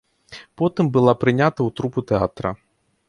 Потым была прынята ў трупу тэатра.